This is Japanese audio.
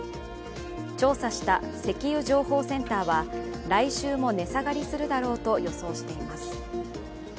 調査した石油情報センターは、来週も値下がりするだろうと予想しています。